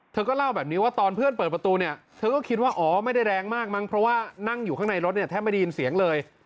เธอก็เล่าแบบนี้ว่าตอนเพื่อนเปิดประตูเนี่ยเธอก็คิดว่าอ๋อไม่ได้แรงมากมั้งเพราะว่านั่งอยู่ข้างในรถเนี่ยแทบไม่ได้ยินเสียงเลย